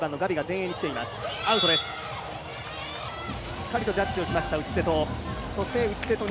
しっかりとジャッジしました、内瀬戸。